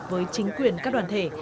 với chính quyền các đoàn thể